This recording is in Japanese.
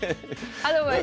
アドバイス。